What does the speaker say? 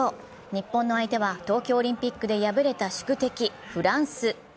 日本の相手は東京オリンピックで敗れた宿敵・フランス。